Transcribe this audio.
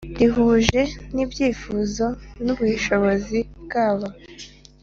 rihuje n ibyifuzo n ubushobozi bwabo